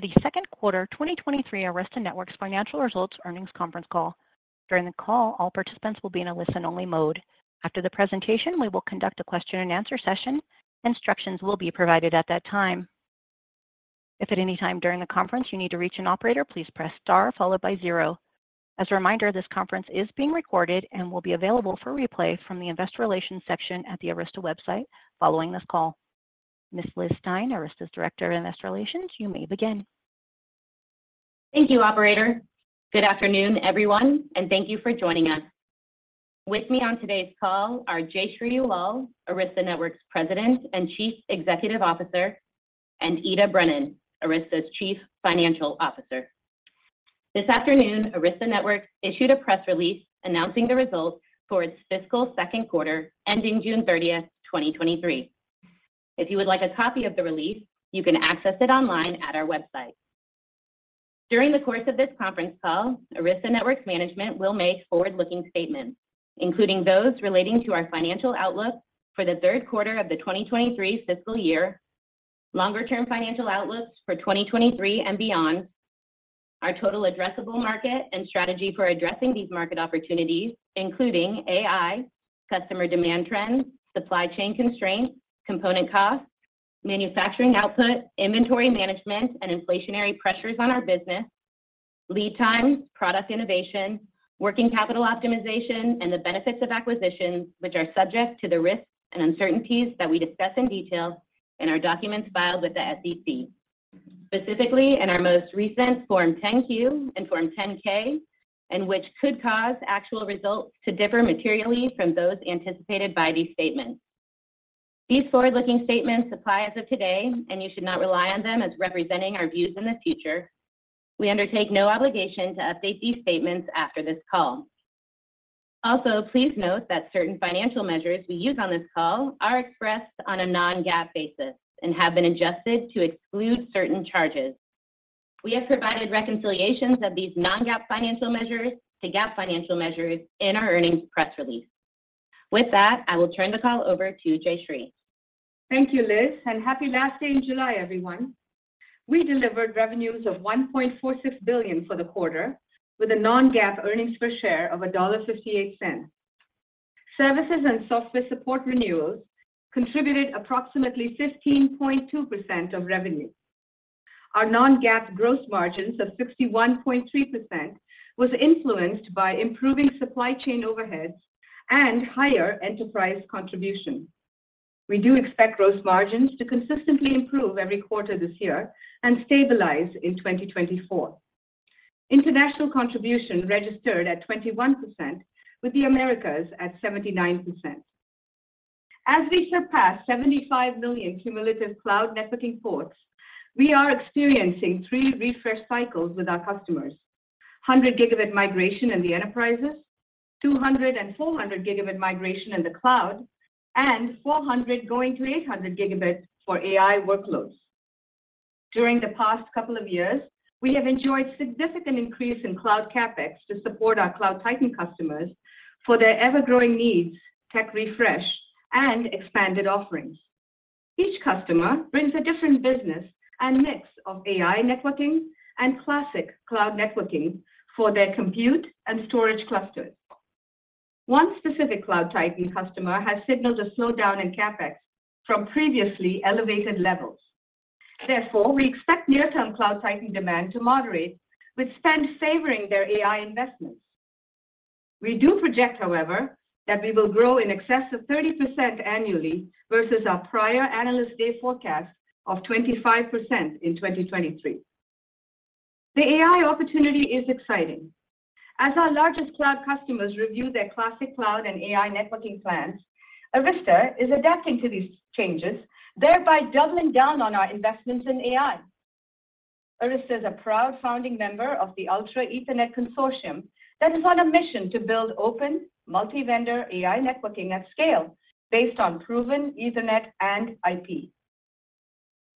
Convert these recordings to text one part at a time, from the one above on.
`Welcome to the second quarter 2023 Arista Networks Financial Results Earnings Conference Call. During the call, all participants will be in a listen-only mode. After the presentation, we will conduct a question and answer session. Instructions will be provided at that time. If at any time during the conference you need to reach an operator, please press star followed by 0. As a reminder, this conference is being recorded and will be available for replay from the Investor Relations section at the Arista website following this call. Ms. Liz Stein, Arista's Director of Investor Relations, you may begin. Thank you, operator. Good afternoon, everyone, and thank you for joining us. With me on today's call are Jayshree Ullal, Arista Networks President and Chief Executive Officer, and Ita Brennan, Arista Networks' Chief Financial Officer. This afternoon, Arista Networks issued a press release announcing the results for its fiscal second quarter, ending June 30th, 2023. If you would like a copy of the release, you can access it online at our website. During the course of this conference call, Arista Networks management will make forward-looking statements, including those relating to our financial outlook for the third quarter of the 2023 fiscal year, longer-term financial outlooks for 2023 and beyond, our total addressable market and strategy for addressing these market opportunities, including AI, customer demand trends, supply chain constraints, component costs, manufacturing output, inventory management, and inflationary pressures on our business, lead times, product innovation, working capital optimization, and the benefits of acquisitions, which are subject to the risks and uncertainties that we discuss in detail in our documents filed with the SEC. Specifically, in our most recent Form 10-Q and Form 10-K, which could cause actual results to differ materially from those anticipated by these statements. These forward-looking statements apply as of today, and you should not rely on them as representing our views in the future. We undertake no obligation to update these statements after this call. Also, please note that certain financial measures we use on this call are expressed on a non-GAAP basis and have been adjusted to exclude certain charges. We have provided reconciliations of these non-GAAP financial measures to GAAP financial measures in our earnings press release. With that, I will turn the call over to Jayshree. Thank you, Liz. Happy last day in July, everyone. We delivered revenues of $1.46 billion for the quarter, with a non-GAAP earnings per share of $1.58. Services and software support renewals contributed approximately 15.2% of revenue. Our non-GAAP gross margins of 61.3% was influenced by improving supply chain overheads and higher enterprise contribution. We do expect gross margins to consistently improve every quarter this year and stabilize in 2024. International contribution registered at 21%, with the Americas at 79%. As we surpass 75 million cumulative cloud networking ports, we are experiencing three refresh cycles with our customers: 100Gb migration in the enterprises, 200Gb and 400Gb migration in the cloud, and 400Gb going to 800Gb for AI workloads. During the past couple of years, we have enjoyed significant increase in cloud CapEx to support our Cloud Titan customers for their ever-growing needs, tech refresh, and expanded offerings. Each customer brings a different business and mix of AI networking and classic cloud networking for their compute and storage clusters. One specific Cloud Titan customer has signaled a slowdown in CapEx from previously elevated levels. Therefore, we expect near-term Cloud Titan demand to moderate, with spend favoring their AI investments. We do project, however, that we will grow in excess of 30% annually versus our prior Analyst Day forecast of 25% in 2023. The AI opportunity is exciting. As our largest cloud customers review their classic cloud and AI networking plans, Arista is adapting to these changes, thereby doubling down on our investments in AI. Arista is a proud founding member of the Ultra Ethernet Consortium that is on a mission to build open, multi-vendor AI networking at scale based on proven Ethernet and IP.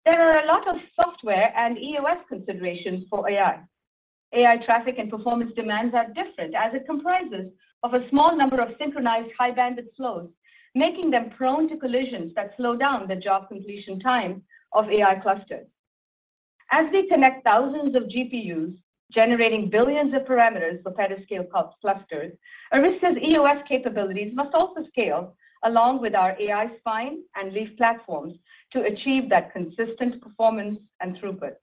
There are a lot of software and EOS considerations for AI. AI traffic and performance demands are different as it comprises of a small number of synchronized high-bandwidth flows, making them prone to collisions that slow down the job completion time of AI clusters. As we connect thousands of GPUs, generating billions of parameters for petascale clusters, Arista's EOS capabilities must also scale along with our AI spine and leaf platforms to achieve that consistent performance and throughput.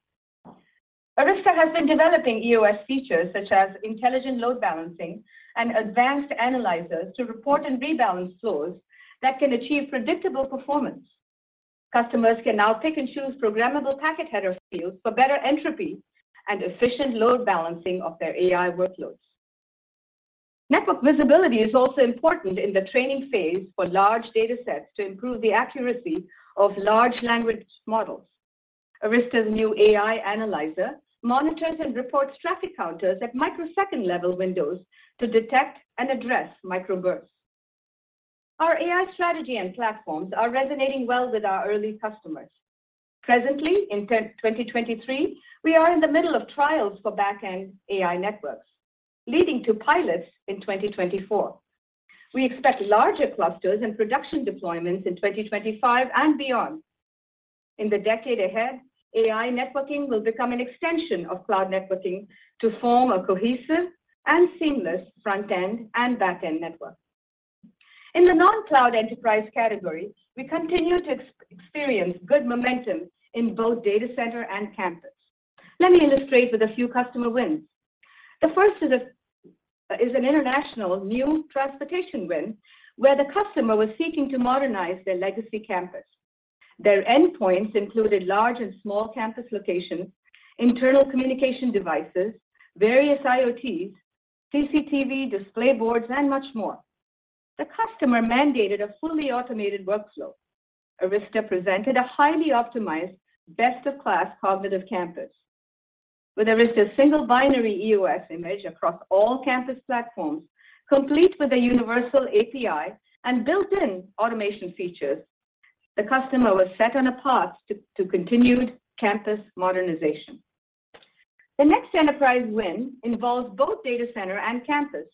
Arista has been developing EOS features such as intelligent load balancing and advanced analyzers to report and rebalance flows that can achieve predictable performance. Customers can now pick and choose programmable packet header fields for better entropy and efficient load balancing of their AI workloads. Network visibility is also important in the training phase for large datasets to improve the accuracy of large language models. Arista's new AI Analyzer monitors and reports traffic counters at microsecond-level windows to detect and address microbursts. Our AI strategy and platforms are resonating well with our early customers. Presently, in 2023, we are in the middle of trials for backend AI networks, leading to pilots in 2024. We expect larger clusters and production deployments in 2025 and beyond. In the decade ahead, AI networking will become an extension of cloud networking to form a cohesive and seamless front-end and back-end network. In the non-cloud enterprise category, we continue to experience good momentum in both data center and campus. Let me illustrate with a few customer wins. The first is an international new transportation win, where the customer was seeking to modernize their legacy campus. Their endpoints included large and small campus locations, internal communication devices, various IoTs, CCTV display boards, and much more. The customer mandated a fully automated workflow. Arista presented a highly optimized, best-of-class cognitive campus. With Arista's single binary EOS image across all campus platforms, complete with a universal API and built-in automation features, the customer was set on a path to continued campus modernization. The next enterprise win involves both data center and campus,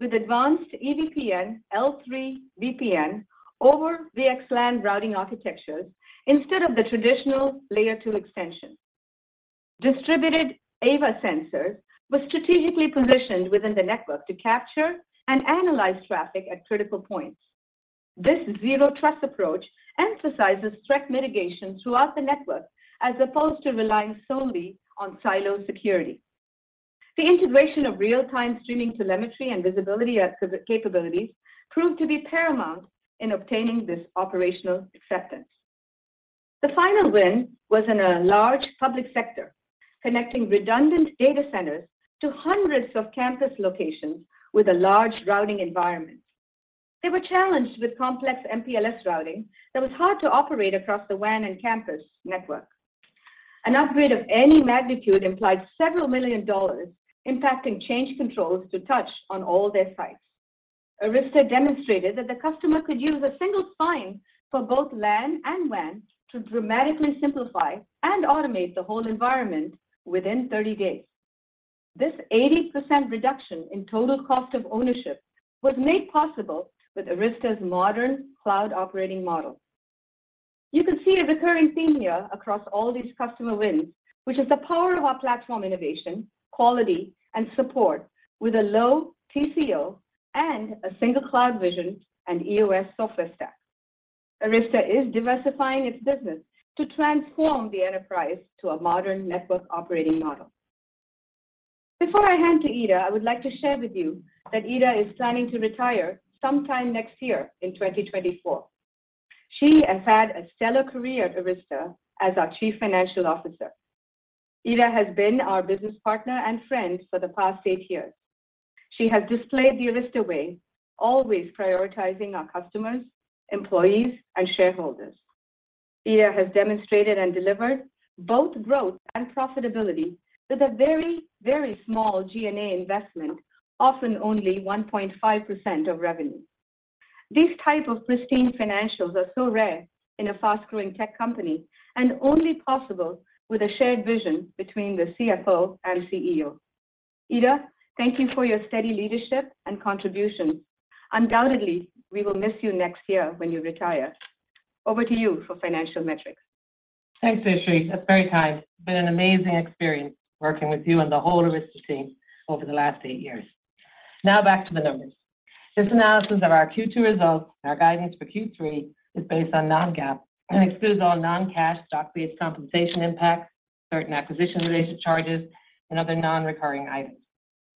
with advanced EVPN, L3 VPN over VXLAN routing architectures instead of the traditional Layer 2 extension. Distributed AVA sensors were strategically positioned within the network to capture and analyze traffic at critical points. This zero-trust approach emphasizes threat mitigation throughout the network, as opposed to relying solely on siloed security. The integration of real-time streaming telemetry and visibility capabilities proved to be paramount in obtaining this operational acceptance. The final win was in a large public sector, connecting redundant data centers to hundreds of campus locations with a large routing environment. They were challenged with complex MPLS routing that was hard to operate across the WAN and campus network. An upgrade of any magnitude implied several million dollars, impacting change controls to touch on all their sites. Arista demonstrated that the customer could use a single spine for both LAN and WAN to dramatically simplify and automate the whole environment within 30 days. This 80% reduction in total cost of ownership was made possible with Arista's modern cloud operating model. You can see a recurring theme here across all these customer wins, which is the power of our platform innovation, quality, and support with a low TCO and a single CloudVision and EOS software stack. Arista is diversifying its business to transform the enterprise to a modern network operating model. Before I hand to Ita, I would like to share with you that Ita is planning to retire sometime next year in 2024. She has had a stellar career at Arista as our Chief Financial Officer. Ita has been our business partner and friend for the past 8 years. She has displayed the Arista way, always prioritizing our customers, employees, and shareholders. Ita has demonstrated and delivered both growth and profitability with a very, very small G&A investment, often only 1.5% of revenue. These type of pristine financials are so rare in a fast-growing tech company and only possible with a shared vision between the CFO and CEO. Ita, thank you for your steady leadership and contributions. Undoubtedly, we will miss you next year when you retire. Over to you for financial metrics. Thanks, Jayshree. That's very kind. It's been an amazing experience working with you and the whole Arista team over the last eight years. Now, back to the numbers. This analysis of our Q2 results and our guidance for Q3 is based on non-GAAP and excludes all non-cash stock-based compensation impacts, certain acquisition-related charges, and other non-recurring items.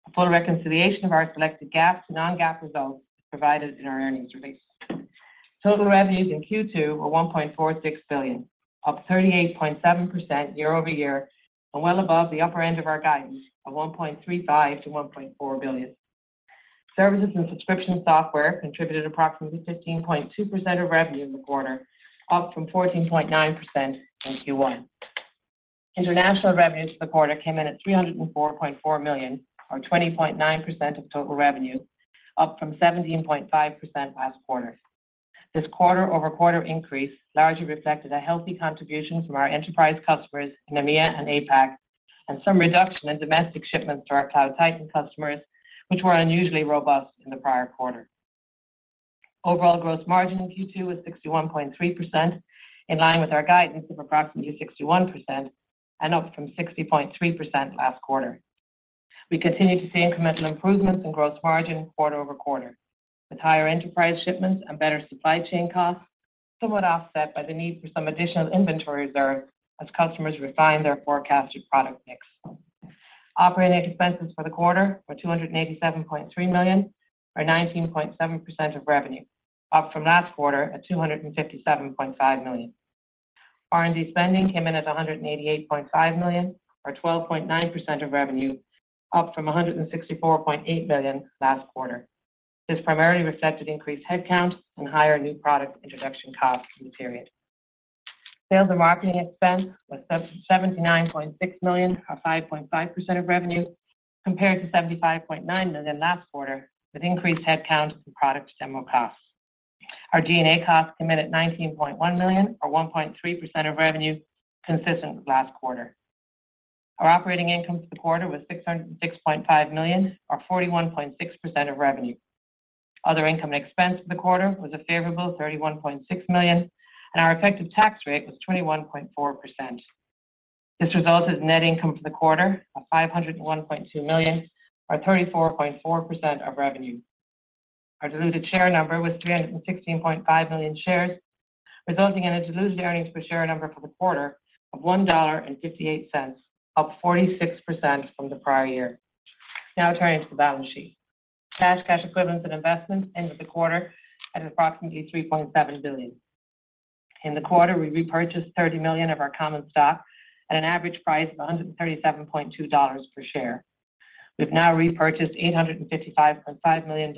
A full reconciliation of our selected GAAP to non-GAAP results is provided in our earnings release. Total revenues in Q2 were $1.46 billion, up 38.7% year-over-year, and well above the upper end of our guidance of $1.35 billion-$1.4 billion. Services and subscription software contributed approximately 15.2% of revenue in the quarter, up from 14.9% in Q1. International revenues for the quarter came in at $304.4 million, or 20.9% of total revenue, up from 17.5% last quarter. This quarter-over-quarter increase largely reflected a healthy contribution from our enterprise customers in EMEA and APAC, and some reduction in domestic shipments to our Cloud Titan customers, which were unusually robust in the prior quarter. Overall gross margin in Q2 was 61.3%, in line with our guidance of approximately 61% and up from 60.3% last quarter. We continue to see incremental improvements in gross margin quarter-over-quarter, with higher enterprise shipments and better supply chain costs, somewhat offset by the need for some additional inventory reserve as customers refine their forecasted product mix. OpEx for the quarter were $287.3 million, or 19.7% of revenue, up from last quarter at $257.5 million. R&D spending came in at $188.5 million, or 12.9% of revenue, up from $164.8 million last quarter. This primarily reflected increased headcount and higher new product introduction costs in the period. Sales and marketing expense was $79.6 million, or 5.5% of revenue, compared to $75.9 million last quarter, with increased headcount and product demo costs. Our G&A costs came in at $19.1 million, or 1.3% of revenue, consistent with last quarter. Our operating income for the quarter was $606.5 million, or 41.6% of revenue. Other income and expense for the quarter was a favorable $31.6 million. Our effective tax rate was 21.4%. This resulted in net income for the quarter of $501.2 million, or 34.4% of revenue. Our diluted share number was 316.5 million shares, resulting in a diluted earnings per share number for the quarter of $1.58, up 46% from the prior year. Turning to the balance sheet. Cash, cash equivalents, and investments ended the quarter at approximately $3.7 billion. In the quarter, we repurchased $30 million of our common stock at an average price of $137.2 per share. We've now repurchased $855.5 million,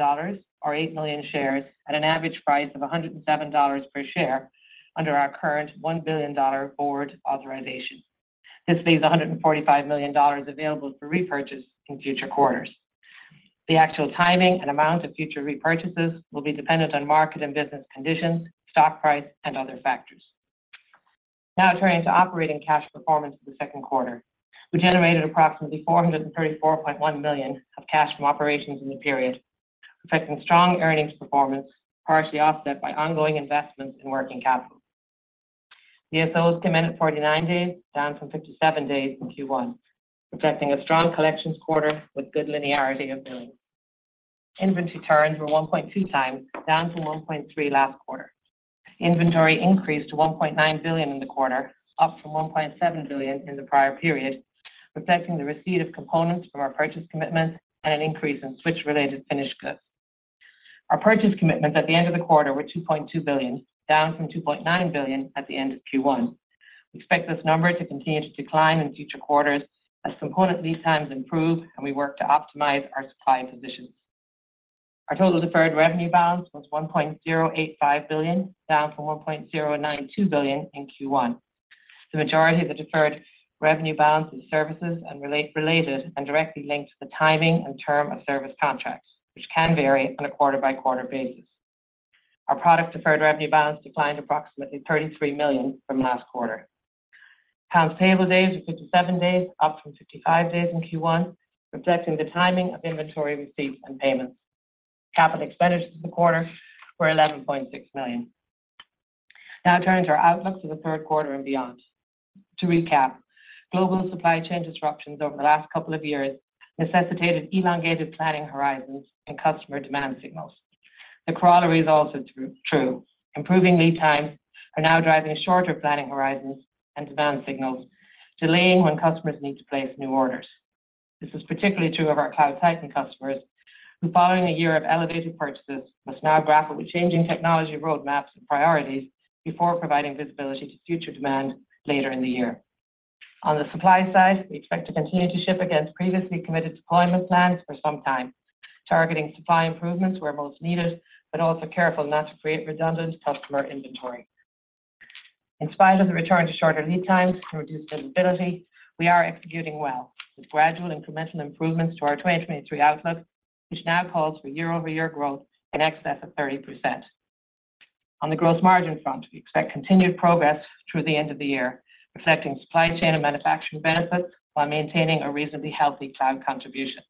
or 8 million shares, at an average price of $107 per share under our current $1 billion board authorization. This leaves $145 million available for repurchase in future quarters. The actual timing and amount of future repurchases will be dependent on market and business conditions, stock price, and other factors. Now turning to operating cash performance for the second quarter. We generated approximately $434.1 million of cash from operations in the period, reflecting strong earnings performance, partially offset by ongoing investments in working capital. DSO came in at 49 days, down from 57 days in Q1, reflecting a strong collections quarter with good linearity of billing. Inventory turns were 1.2x, down from 1.3 last quarter. Inventory increased to $1.9 billion in the quarter, up from $1.7 billion in the prior period, reflecting the receipt of components from our purchase commitments and an increase in switch-related finished goods. Our purchase commitments at the end of the quarter were $2.2 billion, down from $2.9 billion at the end of Q1. We expect this number to continue to decline in future quarters as component lead times improve and we work to optimize our supply positions. Our total deferred revenue balance was $1.085 billion, down from $1.092 billion in Q1. The majority of the deferred revenue balance is services and related and directly linked to the timing and term of service contracts, which can vary on a quarter-by-quarter basis. Our product deferred revenue balance declined approximately $33 million from last quarter. Accounts payable days was 57 days, up from 55 days in Q1, reflecting the timing of inventory receipts and payments. Capital expenditures for the quarter were $11.6 million. Now turning to our outlook for the third quarter and beyond. To recap, global supply chain disruptions over the last couple of years necessitated elongated planning horizons and customer demand signals. The corollary is also true. Improving lead times are now driving shorter planning horizons and demand signals, delaying when customers need to place new orders. This is particularly true of our Cloud Titan customers, who, following a 1 year of elevated purchases, must now grapple with changing technology roadmaps and priorities before providing visibility to future demand later in the year. On the supply side, we expect to continue to ship against previously committed deployment plans for some time, targeting supply improvements where most needed, but also careful not to create redundant customer inventory. In spite of the return to shorter lead times and reduced visibility, we are executing well, with gradual incremental improvements to our 2023 outlook, which now calls for year-over-year growth in excess of 30%. On the gross margin front, we expect continued progress through the end of the year, reflecting supply chain and manufacturing benefits while maintaining a reasonably healthy cloud contribution.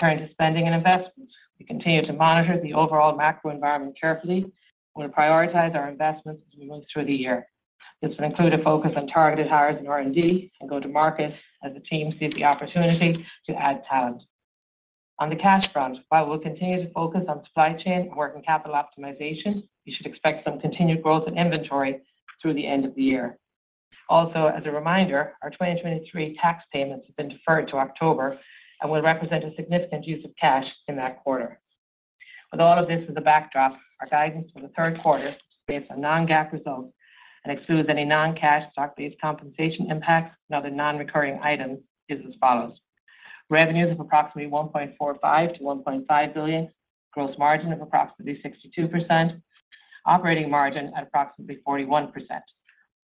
Turning to spending and investments. We continue to monitor the overall macro environment carefully. We'll prioritize our investments as we move through the year. This will include a focus on targeted hires in R&D and go-to-market as the team sees the opportunity to add talent. On the cash front, while we'll continue to focus on supply chain and working capital optimization, you should expect some continued growth in inventory through the end of the year. As a reminder, our 2023 tax payments have been deferred to October and will represent a significant use of cash in that quarter. With all of this as a backdrop, our guidance for the third quarter, based on non-GAAP results and excludes any non-cash stock-based compensation impacts and other non-recurring items, is as follows: revenues of approximately $1.45 billion-$1.5 billion, gross margin of approximately 62%, operating margin at approximately 41%.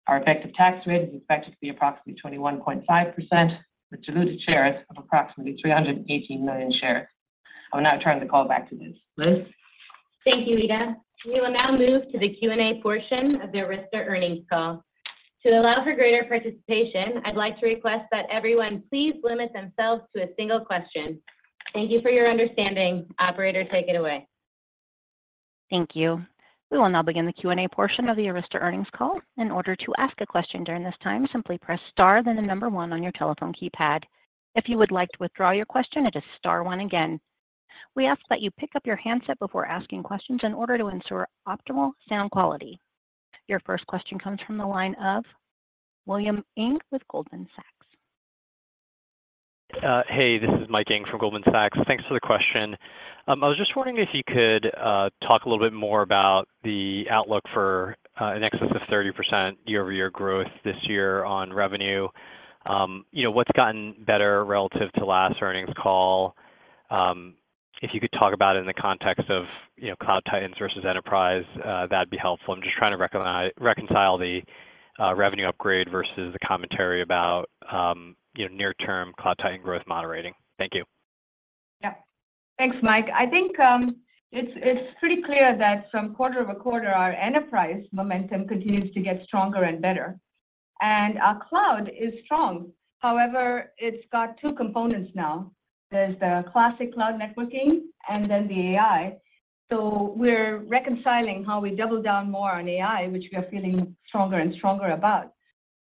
Our effective tax rate is expected to be approximately 21.5%, with diluted shares of approximately 318 million shares. I will now turn the call back to Liz. Thank you, Ita. We will now move to the Q&A portion of the Arista earnings call. To allow for greater participation, I'd like to request that everyone please limit themselves to a single question. Thank you for your understanding. Operator, take it away. Thank you. We will now begin the Q&A portion of the Arista earnings call. In order to ask a question during this time, simply press star, then the number one on your telephone keypad. If you would like to withdraw your question, it is star one again. We ask that you pick up your handset before asking questions in order to ensure optimal sound quality. Your first question comes from the line of Michael Ng with Goldman Sachs. Hey, this is Mike ng from Goldman Sachs. Thanks for the question. I was just wondering if you could talk a little bit more about the outlook for in excess of 30% year-over-year growth this year on revenue. You know, what's gotten better relative to last earnings call? If you could talk about it in the context of, you know, Cloud Titans versus Enterprise, that'd be helpful. I'm just trying to reconcile the revenue upgrade versus the commentary about, you know, near-term Cloud Titan growth moderating. Thank you. Yeah. Thanks, Mike. I think, it's, it's pretty clear that from quarter-over-quarter, our enterprise momentum continues to get stronger and better, and our cloud is strong. However, it's got two components now. There's the classic cloud networking and then the AI. We're reconciling how we double down more on AI, which we are feeling stronger and stronger about.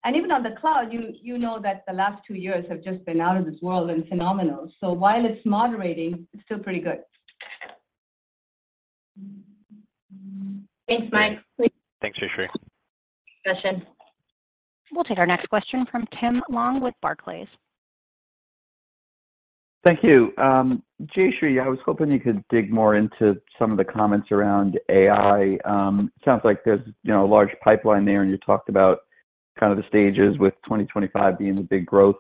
Even on the cloud, you know that the last 2 years have just been out of this world and phenomenal. While it's moderating, it's still pretty good. Thanks, Mike. Thanks, Jayshree. Session. We'll take our next question from Tim Long with Barclays. Thank you. Jayshree, I was hoping you could dig more into some of the comments around AI. Sounds like there's, you know, a large pipeline there, and you talked about kind of the stages with 2025 being the big growth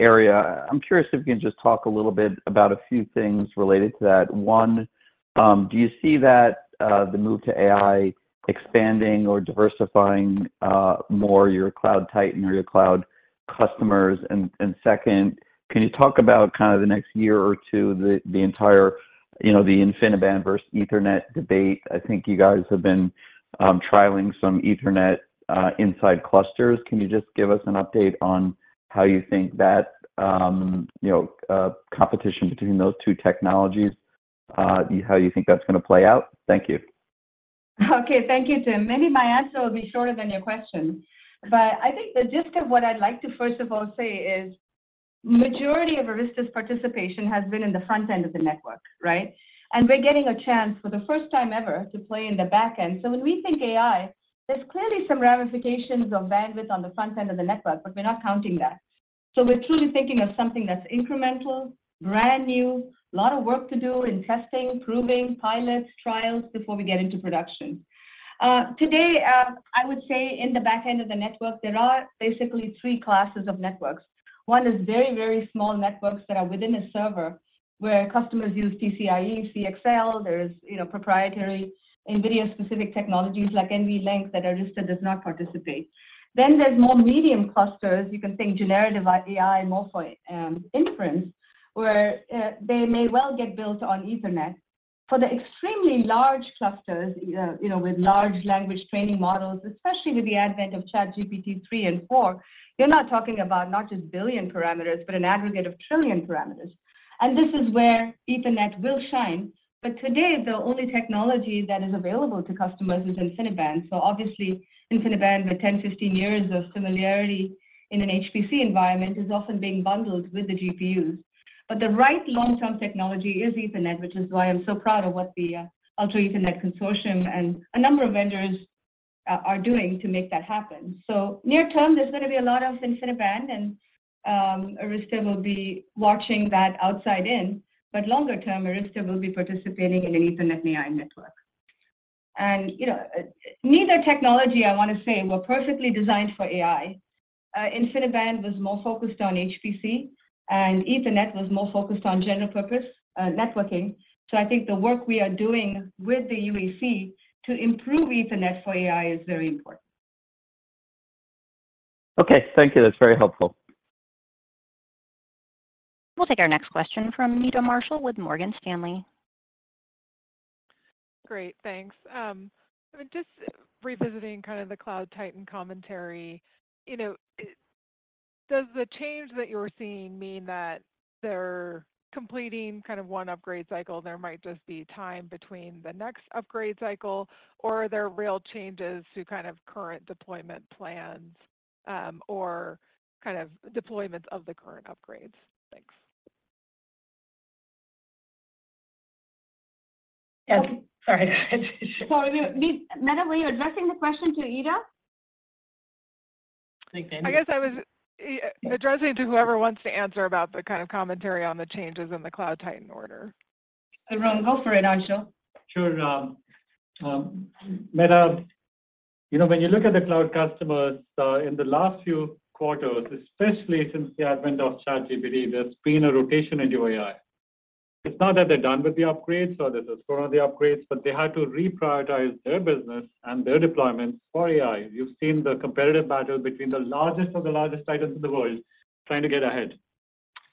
area. I'm curious if you can just talk a little bit about a few things related to that. One, do you see that the move to AI expanding or diversifying more your Cloud Titan or your cloud customers? Second, can you talk about kind of the next year or two, the, the entire, you know, the InfiniBand versus Ethernet debate? I think you guys have been trialing some Ethernet inside clusters. Can you just give us an update on how you think that, you know, competition between those two technologies, how you think that's gonna play out? Thank you. Okay, thank you, Tim. Maybe my answer will be shorter than your question. I think the gist of what I'd like to first of all say is, majority of Arista's participation has been in the front end of the network, right? We're getting a chance for the first time ever to play in the back end. When we think AI, there's clearly some ramifications of bandwidth on the front end of the network, but we're not counting that. We're truly thinking of something that's incremental, brand new, lot of work to do in testing, proving, pilots, trials, before we get into production. today, I would say in the back end of the network, there are basically three classes of networks. One is very, very small networks that are within a server, where customers use PCIe, CXL, there's, you know, proprietary NVIDIA-specific technologies like NVLink, that Arista does not participate. There's more medium clusters. You can think generative AI, more for inference, where they may well get built on Ethernet. For the extremely large clusters, you know, with large language training models, especially with the advent of ChatGPT 3 and 4, you're not talking about not just billion parameters, but an aggregate of trillion parameters. This is where Ethernet will shine. Today, the only technology that is available to customers is InfiniBand. Obviously, InfiniBand, with 10, 15 years of familiarity in an HPC environment, is often being bundled with the GPUs. The right long-term technology is Ethernet, which is why I'm so proud of what the Ultra Ethernet Consortium and a number of vendors are doing to make that happen. Near term, there's gonna be a lot of InfiniBand, and Arista will be watching that outside in, but longer term, Arista will be participating in an Ethernet AI network. You know, neither technology, I want to say, were perfectly designed for AI. InfiniBand was more focused on HPC, and Ethernet was more focused on general purpose networking. I think the work we are doing with the UEC to improve Ethernet for AI is very important. Okay, thank you. That's very helpful. We'll take our next question from Meta Marshall with Morgan Stanley. Great, thanks. Just revisiting kind of the Cloud Titan commentary. You know, does the change that you're seeing mean that they're completing kind of one upgrade cycle, there might just be time between the next upgrade cycle, or are there real changes to kind of current deployment plans, or kind of deployments of the current upgrades? Thanks. Yes. Sorry, Sorry, Mita, were you addressing the question to Ita? I think. I guess I was addressing to whoever wants to answer about the kind of commentary on the changes in the Cloud Titan order. Go for it, Anshul. Sure, Meta, you know, when you look at the cloud customers, in the last few quarters, especially since the advent of ChatGPT, there's been a rotation in the AI. It's not that they're done with the upgrades or there's a score on the upgrades, but they had to reprioritize their business and their deployments for AI. You've seen the competitive battle between the largest of the largest titans in the world trying to get ahead.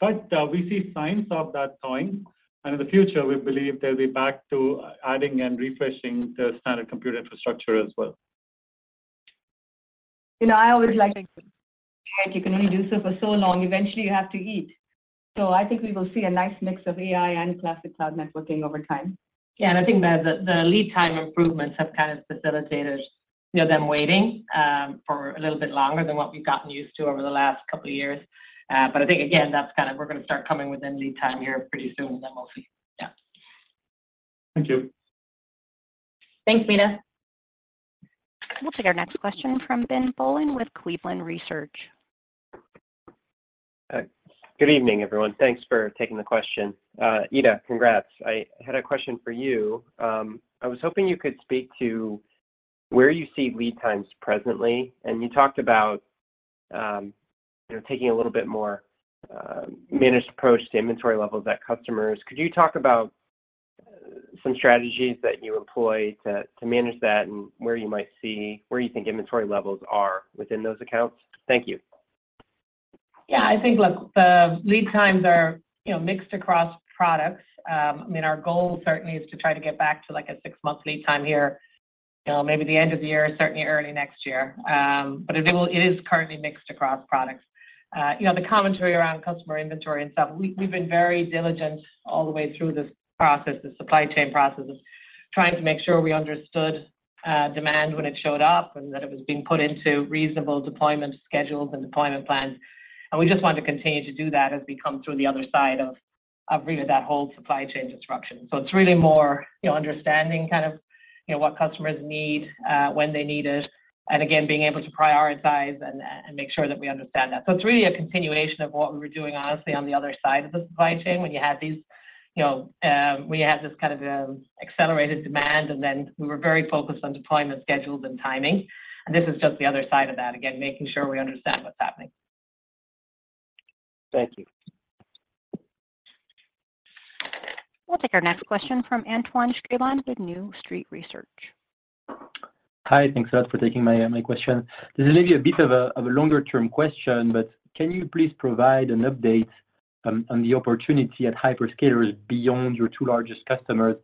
We see signs of that thawing, and in the future, we believe they'll be back to adding and refreshing the standard computer infrastructure as well. You know, I always like to. You can only do so for so long. Eventually, you have to eat. I think we will see a nice mix of AI and classic cloud networking over time. Yeah, I think the, the, the lead time improvements have kind of facilitated, you know, them waiting, for a little bit longer than what we've gotten used to over the last couple of years. I think again, that's kind of we're going to start coming within lead time here pretty soon, then we'll see. Yeah. Thank you. Thanks, Mita. We'll take our next question from Ben Bollin with Cleveland Research. Good evening, everyone. Thanks for taking the question. Ita, congrats. I had a question for you. I was hoping you could speak to where you see lead times presently. You talked about, you know, taking a little bit more managed approach to inventory levels at customers. Could you talk about some strategies that you employ to manage that and where you might see, where you think inventory levels are within those accounts? Thank you. Yeah, I think, look, the lead times are, you know, mixed across products. I mean, our goal certainly is to try to get back to, like, a six-month lead time here. You know, maybe the end of the year, certainly early next year. But it is currently mixed across products. You know, the commentary around customer inventory and stuff, we, we've been very diligent all the way through this process, the supply chain process, of trying to make sure we understood, demand when it showed up, and that it was being put into reasonable deployment schedules and deployment plans. We just want to continue to do that as we come through the other side of, of really that whole supply chain disruption. It's really more, you know, understanding kind of, you know, what customers need, when they need it, and again, being able to prioritize and, and make sure that we understand that. It's really a continuation of what we were doing, honestly, on the other side of the supply chain, when you had these... You know, we had this kind of, accelerated demand, and then we were very focused on deployment schedules and timing. This is just the other side of that. Again, making sure we understand what's happening. Thank you. We'll take our next question from Antoine Grignon with New Street Research. Hi, thanks a lot for taking my, my question. This is maybe a bit of a, of a longer-term question, but can you please provide an update on, on the opportunity at hyperscalers beyond your two largest customers?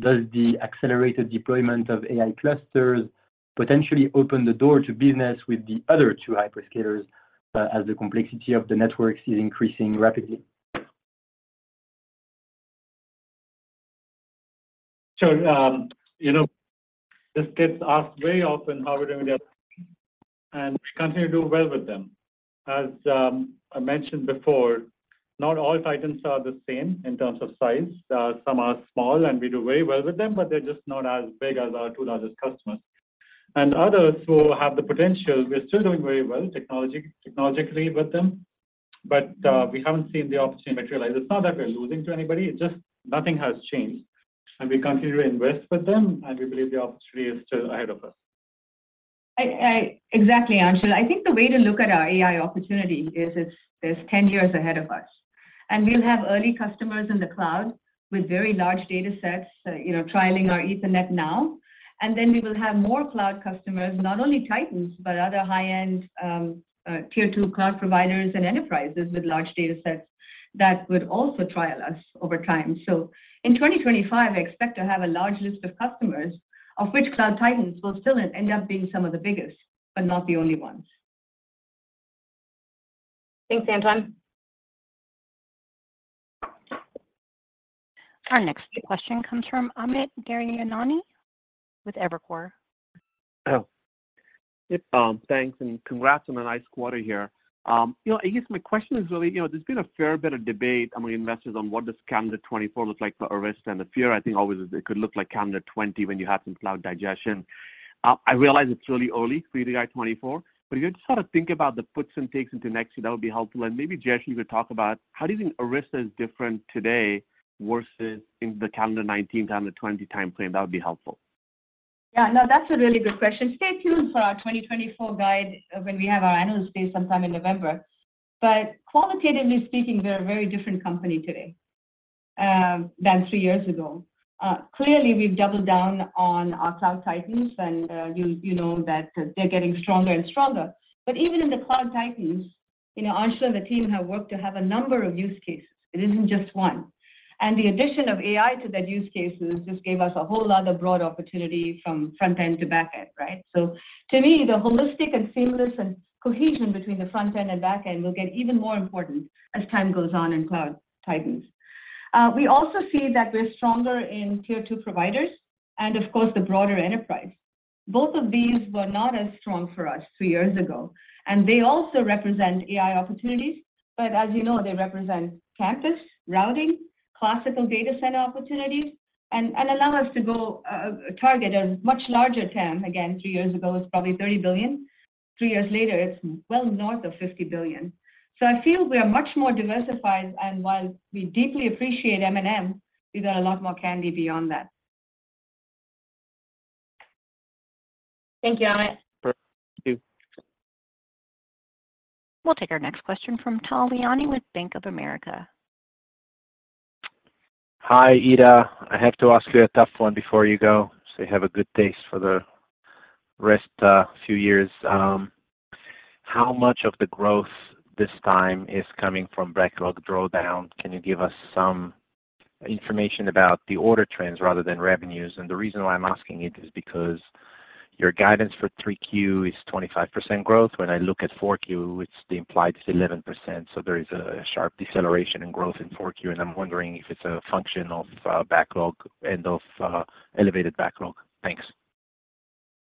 Does the accelerated deployment of AI clusters potentially open the door to business with the other two hyperscalers, as the complexity of the networks is increasing rapidly? You know, this gets asked very often, how we're doing with them, and we continue to do well with them. As I mentioned before, not all titans are the same in terms of size. Some are small, and we do very well with them, but they're just not as big as our two largest customers. Others who have the potential, we're still doing very well technologically with them, but we haven't seen the opportunity materialize. It's not that we're losing to anybody, it's just nothing has changed, and we continue to invest with them, and we believe the opportunity is still ahead of us. I, I exactly, Anshul. I think the way to look at our AI opportunity is it's, there's 10 years ahead of us. We'll have early customers in the cloud with very large data sets, you know, trialing our Ethernet now. Then we will have more cloud customers, not only cloud titans, but other high-end tier 2 cloud providers and enterprises with large data sets that would also trial us over time. In 2025, I expect to have a large list of customers, of which cloud titans will still end up being some of the biggest, but not the only ones. Thanks, Antoine. Our next question comes from Amit Daryanani with Evercore. Oh. Yep, thanks, and congrats on a nice quarter here. You know, I guess my question is really, you know, there's been a fair bit of debate among investors on what does calendar 2024 look like for Arista, and the fear, I think, always is it could look like calendar 2020 when you have some cloud digestion. I realize it's really early for you to guide 2024, but if you just sort of think about the puts and takes into next year, that would be helpful. Maybe, Jessie, you could talk about how do you think Arista is different today versus in the calendar 2019, calendar 2020 time frame? That would be helpful. Yeah, no, that's a really good question. Stay tuned for our 2024 guide when we have our Analyst Day sometime in November. Qualitatively speaking, we're a very different company today than 3 years ago. Clearly, we've doubled down on our Cloud Titans, and you, you know that they're getting stronger and stronger. Even in the Cloud Titans, you know, Anshul and the team have worked to have a number of use cases. It isn't just one. The addition of AI to that use cases just gave us a whole other broad opportunity from front end to back end, right? To me, the holistic and seamless and cohesion between the front end and back end will get even more important as time goes on in Cloud Titans. We also see that we're stronger in tier two providers and of course, the broader enterprise. Both of these were not as strong for us two years ago, and they also represent AI opportunities, but as you know, they represent campus, routing, classical data center opportunities, and, and allow us to go target a much larger TAM. Again, three years ago, it was probably $30 billion. Three years later, it's well north of $50 billion. I feel we are much more diversified, and while we deeply appreciate M&M, we got a lot more candy beyond that. Thank you, Amit. Perfect. Thank you. We'll take our next question from Tal Liani with Bank of America. Hi, Ita. I have to ask you a tough one before you go, so you have a good taste for the rest, few years. How much of the growth this time is coming from backlog drawdown? Can you give us some information about the order trends rather than revenues? The reason why I'm asking it is because your guidance for 3Q is 25% growth. When I look at 4Q, it's the implied is 11%, so there is a sharp deceleration in growth in 4Q, and I'm wondering if it's a function of backlog and of elevated backlog. Thanks.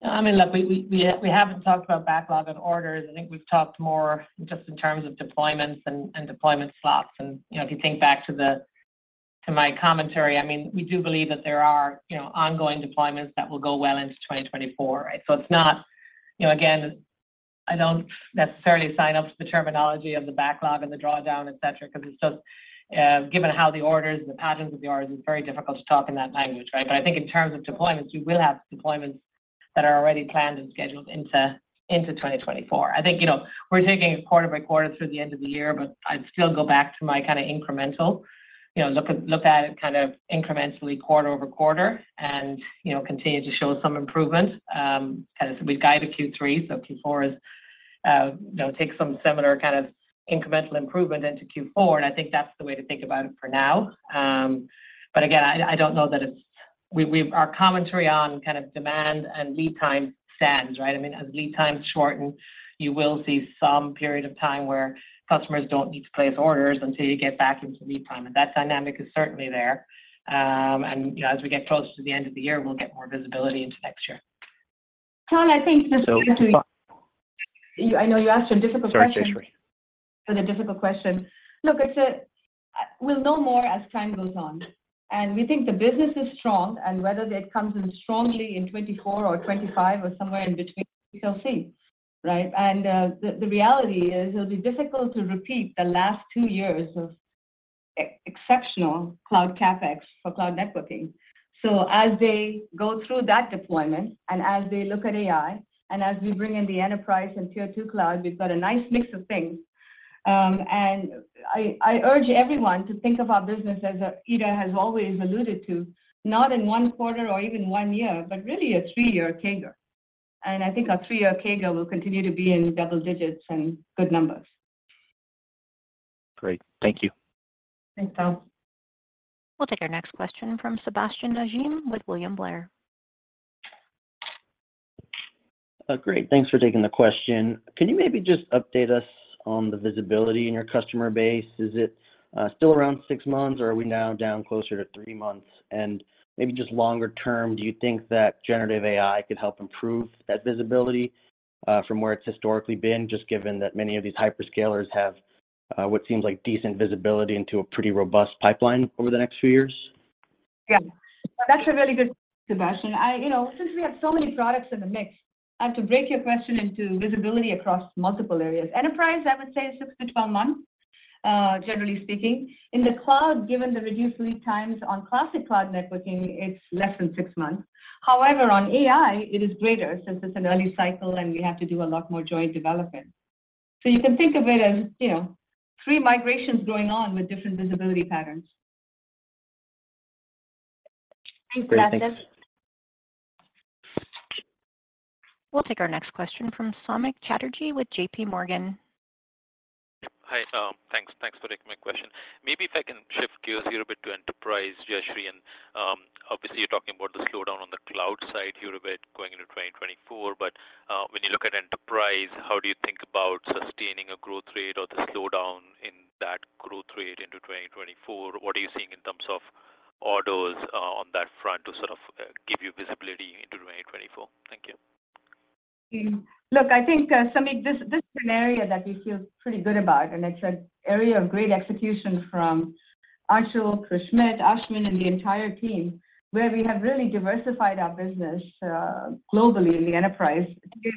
I mean, look, we, we, we haven't talked about backlog and orders. I think we've talked more just in terms of deployments and, and deployment slots. You know, if you think back to the, to my commentary, I mean, we do believe that there are, you know, ongoing deployments that will go well into 2024, right? It's not. You know, again, I don't necessarily sign up to the terminology of the backlog and the drawdown, et cetera, because it's just given how the orders and the patterns of the orders, it's very difficult to talk in that language, right? I think in terms of deployments, we will have deployments that are already planned and scheduled into, into 2024. I think, you know, we're taking it quarter by quarter through the end of the year, but I'd still go back to my kind of incremental. You know, look at, look at it kind of incrementally, quarter-over-quarter. You know, continue to show some improvement. Kind of we've guided Q3. Q4 is, you know, take some similar kind of incremental improvement into Q4. I think that's the way to think about it for now. Again, I don't know that it's. We, our commentary on kind of demand and lead time stands, right? I mean, as lead times shorten, you will see some period of time where customers don't need to place orders until you get back into lead time. That dynamic is certainly there. You know, as we get closer to the end of the year, we'll get more visibility into next year. Tom, I think this- So- I know you asked a difficult question. Sorry, Jayshree. Kind of difficult question. Look, it's a, we'll know more as time goes on, we think the business is strong, and whether that comes in strongly in 2024 or 2025 or somewhere in between, we shall see, right? The reality is, it'll be difficult to repeat the last two years of exceptional cloud CapEx for cloud networking. As they go through that deployment and as they look at AI and as we bring in the enterprise and tier two cloud, we've got a nice mix of things. I, I urge everyone to think of our business, as Ira has always alluded to, not in 1 quarter or even 1 year, but really a 3-year CAGR. I think our 3-year CAGR will continue to be in double digits and good numbers. Great. Thank you. Thanks, Tal. We'll take our next question from Sebastien Naji, with William Blair. Great, thanks for taking the question. Can you maybe just update us on the visibility in your customer base? Is it still around six months, or are we now down closer to three months? Maybe just longer term, do you think that generative AI could help improve that visibility from where it's historically been, just given that many of these hyperscalers have what seems like decent visibility into a pretty robust pipeline over the next few years? Yeah, that's a really good question, Sebastien. You know, since we have so many products in the mix, I have to break your question into visibility across multiple areas. Enterprise, I would say 6-12 months, generally speaking. In the cloud, given the reduced lead times on classic cloud networking, it's less than 6 months. However, on AI it is greater, since it's an early cycle and we have to do a lot more joint development. You can think of it as, you know, 3 migrations going on with different visibility patterns. Great, thanks. Thanks, Sebastien. We'll take our next question from Samik Chatterjee with JP Morgan. Hi, thanks. Thanks for taking my question. Maybe if I can shift gears here a bit to enterprise, Jayshree, obviously you're talking about the slowdown on the cloud side here a bit going into 2024, when you look at enterprise, how do you think about sustaining a growth rate or the slowdown in that growth rate into 2024? What are you seeing in terms of orders on that front to sort of give you visibility into 2024? Thank you. Look, I think, Soumik, this, this is an area that we feel pretty good about, and it's an area of great execution from Ashok, Chris Schmidt, Ashwin, and the entire team, where we have really diversified our business, globally in the enterprise.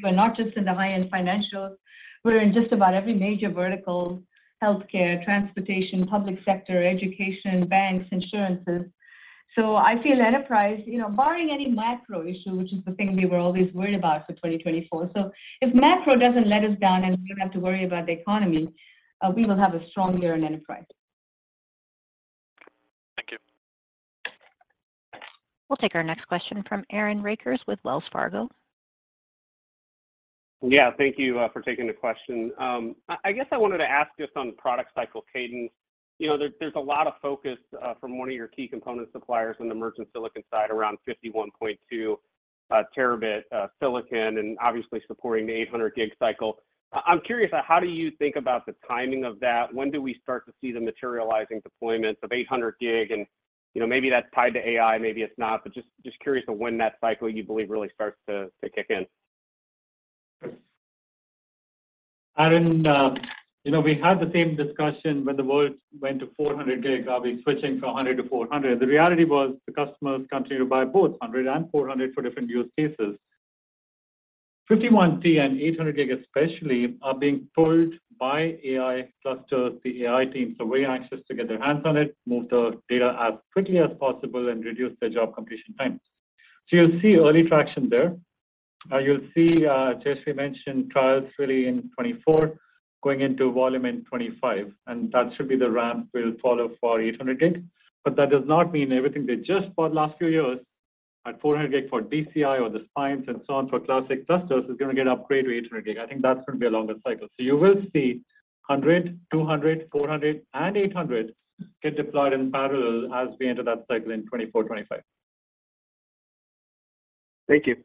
We're not just in the high-end financials. We're in just about every major vertical: healthcare, transportation, public sector, education, banks, insurances. I feel enterprise, you know, barring any macro issue, which is the thing we were always worried about for 2024, so if macro doesn't let us down and we don't have to worry about the economy, we will have a strong year in enterprise. Thank you. We'll take our next question from Aaron Rakers with Wells Fargo. Yeah, thank you for taking the question. I, I guess I wanted to ask just on product cycle cadence. You know, there's, there's a lot of focus from one of your key component suppliers on the merchant silicon side, around 51.2Tb silicon and obviously supporting the 800Gb cycle. I'm curious, how do you think about the timing of that? When do we start to see the materializing deployments of 800Gb? You know, maybe that's tied to AI, maybe it's not. Just, just curious of when that cycle, you believe, really starts to kick in. Aaron, you know, we had the same discussion when the world went to 400Gb. Are we switching from 100 to 400? The reality was the customers continued to buy both 100 and 400 for different use cases. 51T and 800Gb especially are being pulled by AI clusters, the AI teams. They're very anxious to get their hands on it, move the data as quickly as possible and reduce their job completion times. You'll see early traction there. You'll see Jayshree mentioned trials really in 2024, going into volume in 2025, and that should be the ramp we'll follow for 800Gb. That does not mean everything they just bought last few years at 400Gb for DCI or the spines and so on, for classic clusters, is going to get upgraded to 800Gb. I think that's going to be a longer cycle. You will see 100, 200, 400, and 800 get deployed in parallel as we enter that cycle in 2024, 2025. Thank you.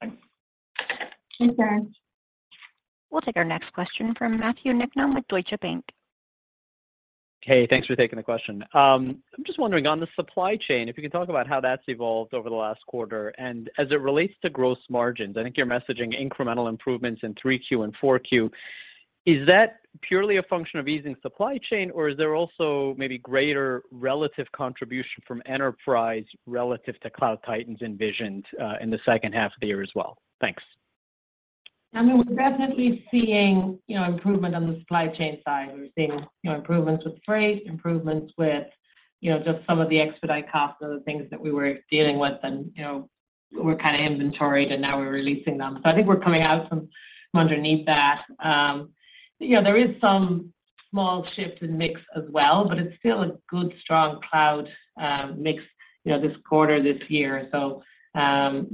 Thanks. Thanks, Aaron. We'll take our next question from Matthew Niknam with Deutsche Bank. Hey, thanks for taking the question. I'm just wondering, on the supply chain, if you can talk about how that's evolved over the last quarter. As it relates to gross margins, I think you're messaging incremental improvements in 3Q and 4Q. Is that purely a function of easing supply chain, or is there also maybe greater relative contribution from enterprise relative to Cloud Titans envisioned in the second half of the year as well? Thanks. I mean, we're definitely seeing, you know, improvement on the supply chain side. We're seeing, you know, improvements with freight, improvements with, you know, just some of the expedite costs of the things that we were dealing with, and, you know, we're kind of inventoried, and now we're releasing them. I think we're coming out from underneath that. You know, there is some small shift in mix as well, but it's still a good, strong cloud mix, you know, this quarter, this year. You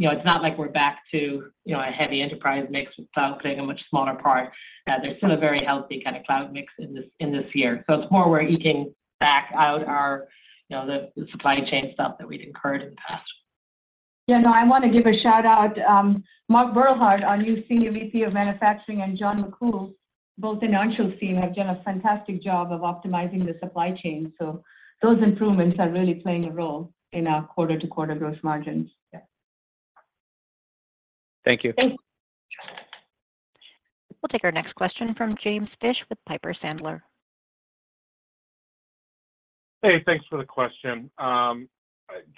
know, it's not like we're back to, you know, a heavy enterprise mix with cloud playing a much smaller part. There's still a very healthy kind of cloud mix in this, in this year. It's more where we can back out our, you know, the, the supply chain stuff that we'd incurred in the past. Yeah. No, I want to give a shout-out, Mark Burkhart, our new Senior VP of Manufacturing, and John McCool, both in Anshul's team, have done a fantastic job of optimizing the supply chain. Those improvements are really playing a role in our quarter-to-quarter growth margins. Yeah. Thank you. Thanks. We'll take our next question from James Fish with Piper Sandler. Hey, thanks for the question. I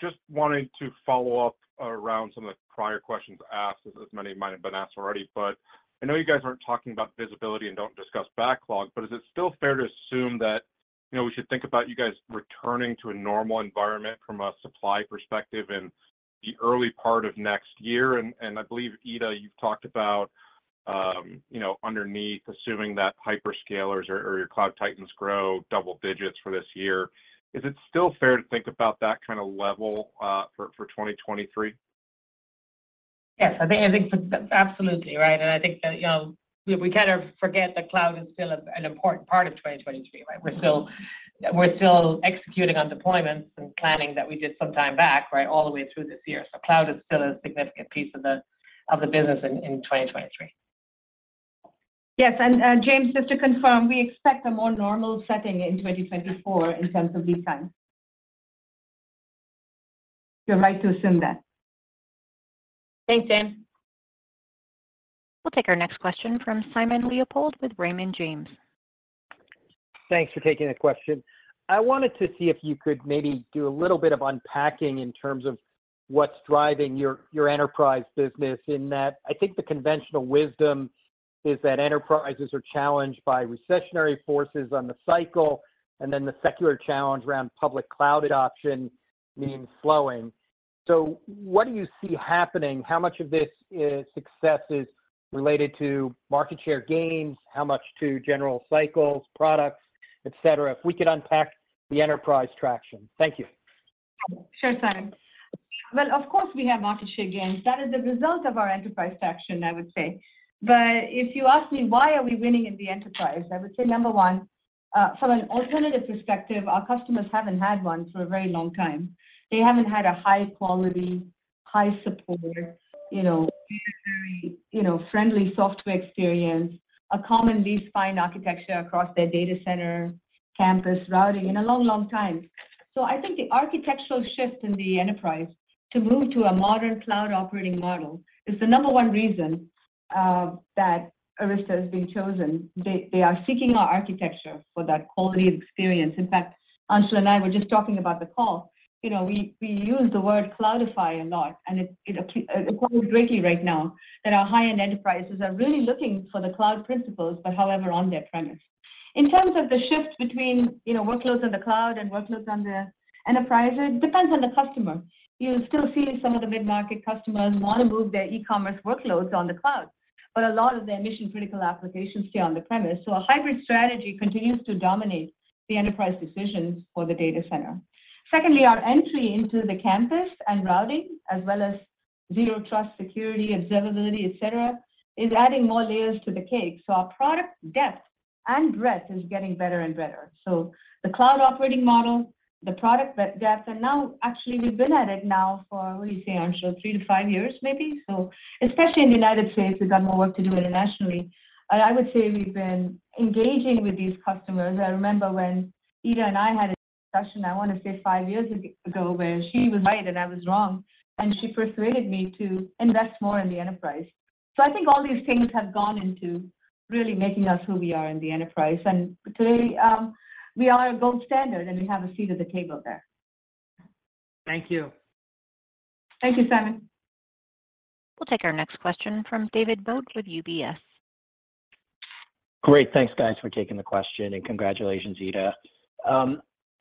just wanted to follow up around some of the prior questions asked, as many might have been asked already, but I know you guys aren't talking about visibility and don't discuss backlog, but is it still fair to assume that, you know, we should think about you guys returning to a normal environment from a supply perspective in the early part of next year? I believe, Ita, you've talked about, you know, underneath, assuming that hyperscalers or your Cloud Titans grow double digits for this year. Is it still fair to think about that kind of level for 2023? Yes, I think, I think absolutely right. I think that, you know, we kind of forget that cloud is still an important part of 2023, right? We're still, we're still executing on deployments and planning that we did some time back, right, all the way through this year. Cloud is still a significant piece of the, of the business in, in 2023. Yes, James, just to confirm, we expect a more normal setting in 2024 in terms of lead time. You're right to assume that. Thanks, James. We'll take our next question from Simon Leopold with Raymond James. Thanks for taking the question. I wanted to see if you could maybe do a little bit of unpacking in terms of what's driving your enterprise business, in that I think the conventional wisdom is that enterprises are challenged by recessionary forces on the cycle, and then the secular challenge around public cloud adoption means slowing. So what do you see happening? How much of this is successes related to market share gains, how much to general cycles, products, et cetera? If we could unpack the enterprise traction. Thank you. Sure, Simon. Well, of course, we have market share gains. That is the result of our enterprise traction, I would say. If you ask me, why are we winning in the enterprise? I would say, number 1, from an alternative perspective, our customers haven't had one for a very long time. They haven't had a high quality, high support, you know, very, very, you know, friendly software experience, a common least fine architecture across their data center, campus, routing in a long, long time. I think the architectural shift in the enterprise to move to a modern cloud operating model is the number 1 reason that Arista has been chosen. They, they are seeking our architecture for that quality experience. In fact, Anshul and I were just talking about the call. You know, we, we use the word cloudify a lot, and it, it, quite frankly, right now, that our high-end enterprises are really looking for the cloud principles, but however, on their premise. In terms of the shift between, you know, workloads on the cloud and workloads on the enterprise, it depends on the customer. You still see some of the mid-market customers want to move their e-commerce workloads on the cloud, but a lot of their mission-critical applications stay on the premise. A hybrid strategy continues to dominate the enterprise decisions for the data center. Secondly, our entry into the campus and routing, as well as zero trust, security, observability, et cetera, is adding more layers to the cake. Our product depth and breadth is getting better and better. The cloud operating model, the product depth, and now, actually, we've been at it now for, what do you say, Anshul, 3-5 years, maybe? Especially in the United States, we've got more work to do internationally. I would say we've been engaging with these customers. I remember when Ita and I had a discussion, I want to say 5 years ago, where she was right, and I was wrong, and she persuaded me to invest more in the enterprise. I think all these things have gone into really making us who we are in the enterprise, and today, we are a gold standard, and we have a seat at the table there. Thank you. Thank you, Simon. We'll take our next question from David Vogt with UBS. Great. Thanks, guys, for taking the question, and congratulations, Ita.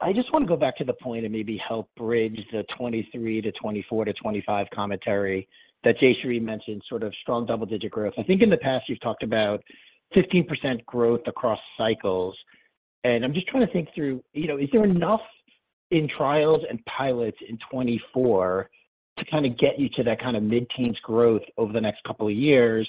I just want to go back to the point and maybe help bridge the 2023 to 2024 to 2025 commentary that Jayshree mentioned, sort of strong double-digit growth. I think in the past, you've talked about 15% growth across cycles, and I'm just trying to think through, you know, is there enough in trials and pilots in 2024 to kind of get you to that kind of mid-teens growth over the next couple of years?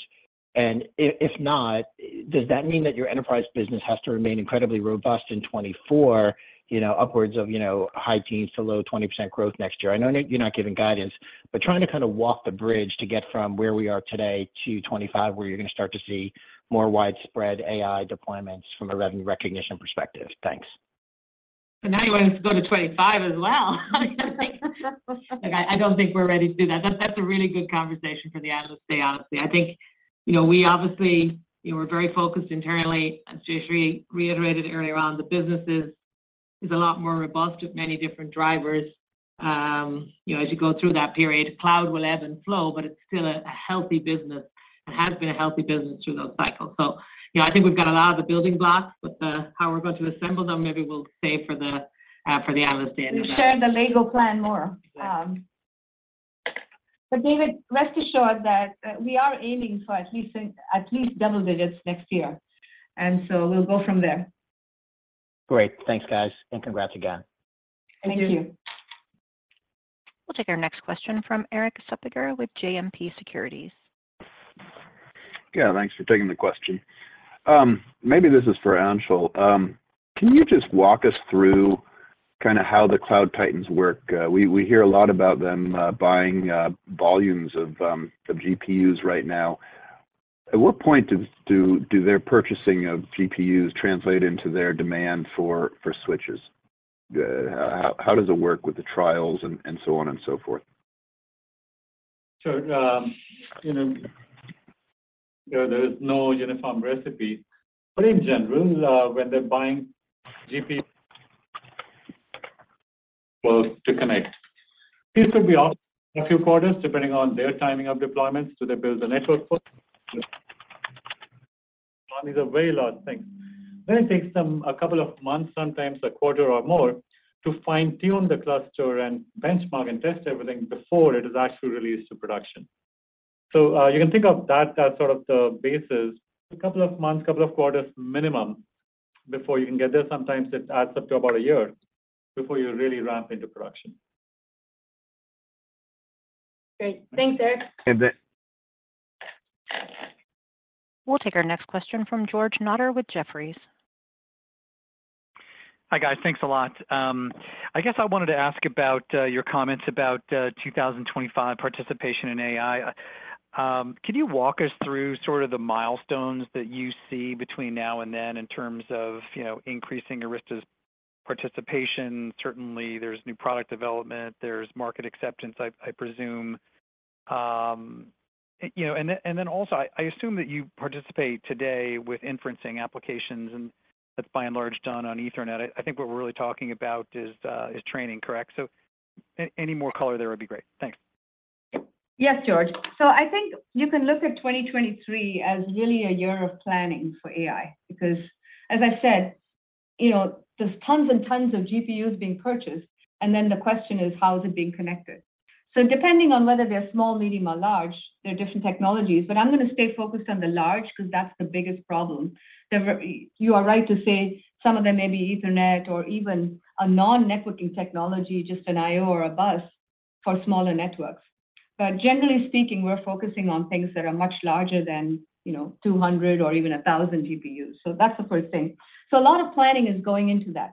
If not, does that mean that your enterprise business has to remain incredibly robust in 2024, you know, upwards of, you know, high teens to low 20% growth next year? I know you're not giving guidance, but trying to kind of walk the bridge to get from where we are today to 2025, where you're going to start to see more widespread AI deployments from a revenue recognition perspective. Thanks. Now you want us to go to 25 as well? I, I don't think we're ready to do that. That's, that's a really good conversation for the end of the day, honestly. I think, you know, we obviously, you know, we're very focused internally, as Jayshree reiterated earlier on, the businesses is a lot more robust with many different drivers. you know, as you go through that period, cloud will ebb and flow, but it's still a, a healthy business and has been a healthy business through those cycles. you know, I think we've got a lot of the building blocks, but the how we're going to assemble them, maybe we'll save for the Analyst Day. We'll share the Lego plan more. Yeah. David, rest assured that, that we are aiming for at least, at least double digits next year, and so we'll go from there. Great. Thanks, guys, and congrats again. Thank you. Thank you. We'll take our next question from Erik Suppiger with JMP Securities. Yeah, thanks for taking the question. Maybe this is for Anshul? Can you just walk us through kind of how the Cloud Titans work? We, we hear a lot about them, buying, volumes of GPUs right now. At what point do, do, do their purchasing of GPUs translate into their demand for, for switches? How, how does it work with the trials and, and so on and so forth? You know, there, there is no uniform recipe, but in general, when they're buying GPUs close to connect. These could be out a few quarters, depending on their timing of deployments. Do they build the network first? - These are very large things. It takes them a couple of months, sometimes a quarter or more, to fine-tune the cluster and benchmark and test everything before it is actually released to production. You can think of that as sort of the basis, a couple of months, couple of quarters minimum, before you can get there. Sometimes it adds up to about a year before you really ramp into production. Great. Thanks, Erik. Thanks. We'll take our next question from George Notter with Jefferies. Hi, guys. Thanks a lot. I guess I wanted to ask about your comments about 2025 participation in AI. Can you walk us through sort of the milestones that you see between now and then in terms of, you know, increasing Arista's participation? Certainly, there's new product development, there's market acceptance, I, I presume. You know, and then, and then also, I, I assume that you participate today with inferencing applications, and that's by and large done on Ethernet. I, I think what we're really talking about is training, correct? Any more color there would be great. Thanks. Yes, George. I think you can look at 2023 as really a year of planning for AI, because as I said, you know, there's tons and tons of GPUs being purchased, and then the question is, how is it being connected? Depending on whether they're small, medium, or large, there are different technologies, but I'm going to stay focused on the large because that's the biggest problem. You are right to say some of them may be Ethernet or even a non-networking technology, just an IO or a bus, for smaller networks. Generally speaking, we're focusing on things that are much larger than, you know, 200 or even 1,000 GPUs. That's the first thing. A lot of planning is going into that,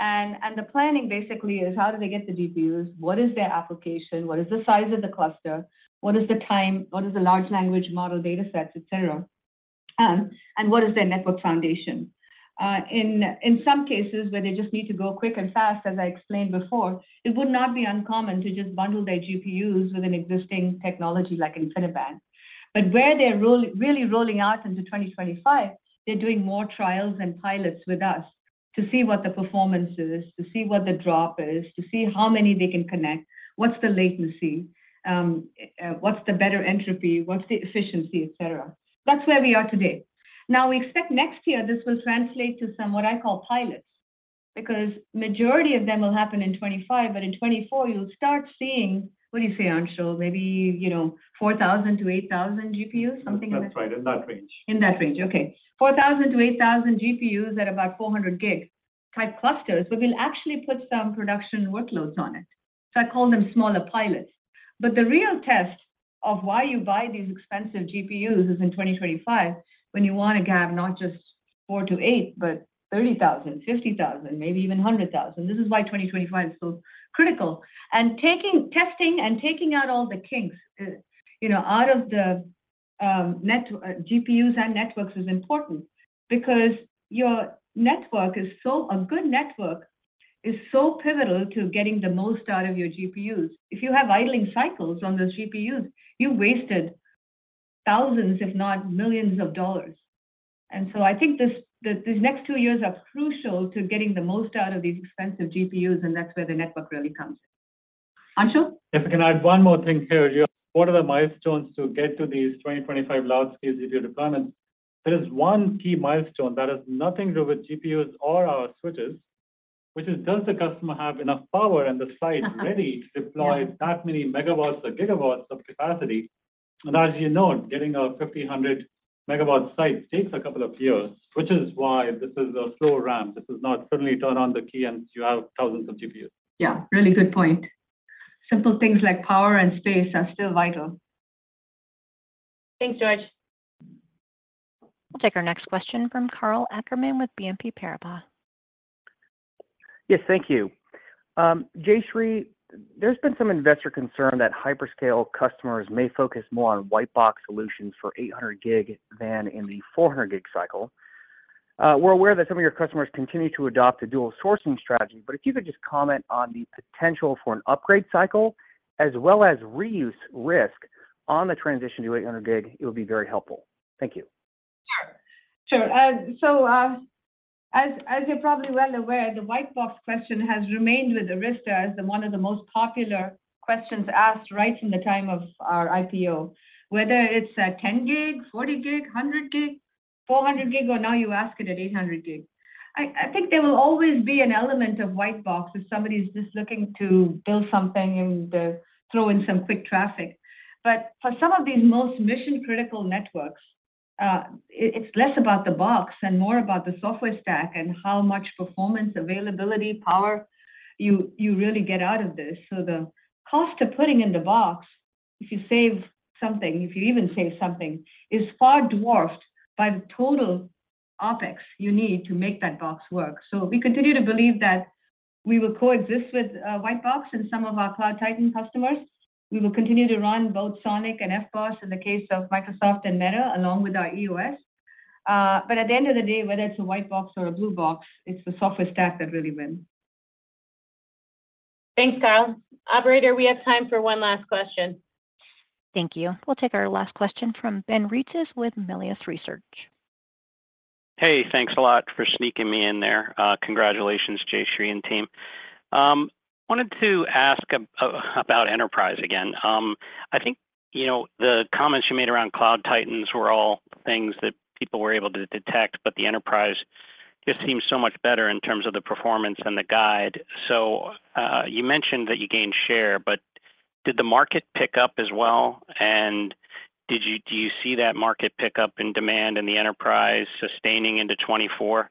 and the planning basically is, how do they get the GPUs? What is their application? What is the size of the cluster? What is the time? What is the large language model data sets, et cetera? What is their network foundation? In some cases where they just need to go quick and fast, as I explained before, it would not be uncommon to just bundle their GPUs with an existing technology like InfiniBand. Where they're really rolling out into 2025, they're doing more trials and pilots with us to see what the performance is, to see what the drop is, to see how many they can connect, what's the latency, what's the better entropy, what's the efficiency, etc. That's where we are today. We expect next year this will translate to some, what I call pilots, because majority of them will happen in 25, but in 24 you'll start seeing... What do you say, Anshul? Maybe, you know, 4,000-8,000 GPUs, something like that. That's right, in that range. In that range, okay. 4,000 to 8,000 GPUs at about 400Gb type clusters, we will actually put some production workloads on it. I call them smaller pilots. The real test of why you buy these expensive GPUs is in 2025, when you want to have not just 4 to 8, but 30,000, 50,000, maybe even 100,000. This is why 2025 is so critical. Taking, testing and taking out all the kinks, you know, out of the GPUs and networks is important because your network is so a good network is so pivotal to getting the most out of your GPUs. If you have idling cycles on those GPUs, you wasted thousands, if not millions of dollars. I think this, these next 2 years are crucial to getting the most out of these expensive GPUs, and that's where the network really comes in. Anshul? If I can add one more thing here. What are the milestones to get to these 2025 large-scale GPU deployments? There is one key milestone that has nothing to do with GPUs or our switches, which is, does the customer have enough power on the site... Uh-huh ready to deploy that many megawatts or gigawatts of capacity? As you know, getting a 50, 100-megawatt site takes a couple of years, which is why this is a slow ramp. This is not suddenly turn on the key and you have thousands of GPUs. Yeah, really good point. Simple things like power and space are still vital. Thanks, George. We'll take our next question from Karl Ackerman with BNP Paribas. Yes, thank you. Jayshree, there's been some investor concern that hyperscale customers may focus more on white box solutions for 800Gb than in the 400Gb cycle. We're aware that some of your customers continue to adopt a dual sourcing strategy, but if you could just comment on the potential for an upgrade cycle as well as reuse risk on the transition to 800Gb, it would be very helpful. Thank you. Sure. As, as you're probably well aware, the white box question has remained with Arista as the one of the most popular questions asked right from the time of our IPO. Whether it's, 10Gb, 40Gb, 100Gb, 400Gb, or now you ask it at 800Gb. I, I think there will always be an element of white box if somebody's just looking to build something and throw in some quick traffic. For some of these most mission-critical networks, it's less about the box and more about the software stack, and how much performance, availability, power, you, you really get out of this. The cost of putting in the box, if you save something, if you even save something, is far dwarfed by the total OpEx you need to make that box work. We continue to believe that we will coexist with white box and some of our Cloud Titan customers. We will continue to run both SONiC and FBOSS in the case of Microsoft and Meta, along with our EOS. But at the end of the day, whether it's a white box or a blue box, it's the software stack that really wins. Thanks, Karl. Operator, we have time for one last question. Thank you. We'll take our last question from Ben Reitzes with Melius Research. Hey, thanks a lot for sneaking me in there. Congratulations, Jayshree and team. wanted to ask about enterprise again. I think, you know, the comments you made around Cloud Titans were all things that people were able to detect, the enterprise just seems so much better in terms of the performance and the guide. You mentioned that you gained share, did the market pick up as well? Do you see that market pick up in demand in the enterprise sustaining into 2024?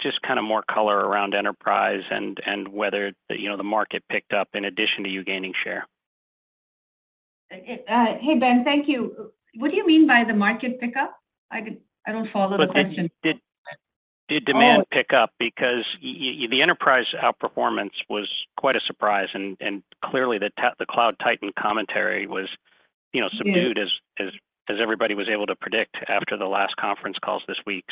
Just kind of more color around enterprise and, whether, you know, the market picked up in addition to you gaining share. Hey, Ben. Thank you. What do you mean by the market pick up? I don't follow the question. Did, did, did demand pick up? Oh. The enterprise outperformance was quite a surprise, and clearly, the Cloud Titan commentary was, you know. Yeah... subdued as everybody was able to predict after the last conference calls this week.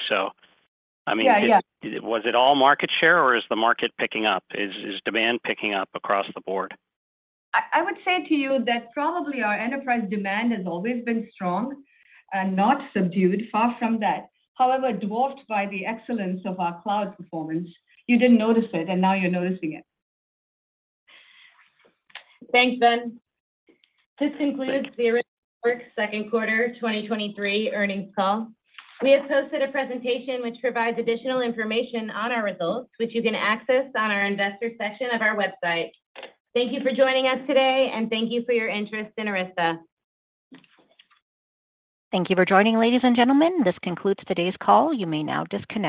I mean... Yeah, yeah. was it all market share, or is the market picking up? Is, is demand picking up across the board? I, I would say to you that probably our enterprise demand has always been strong and not subdued, far from that. However, dwarfed by the excellence of our cloud performance, you didn't notice it, and now you're noticing it. Thanks, Ben. This concludes the Arista Networks second quarter 2023 earnings call. We have posted a presentation which provides additional information on our results, which you can access on our investor section of our website. Thank you for joining us today, and thank you for your interest in Arista. Thank you for joining, ladies and gentlemen. This concludes today's call. You may now disconnect.